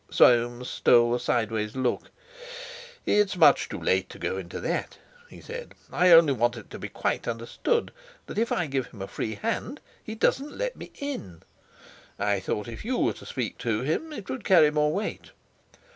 Soames stole a sideway look: "It's much too late to go into that," he said, "I only want it to be quite understood that if I give him a free hand, he doesn't let me in. I thought if you were to speak to him, it would carry more weight!"